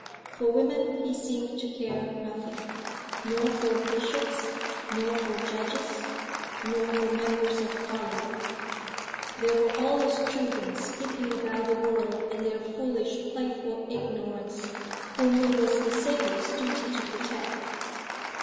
For women he seemed to care nothing, nor for bishops, nor for judges, nor for members of Parliament. They were all as children skipping about the world in their foolish playful ignorance, whom it was the sailor's duty to protect.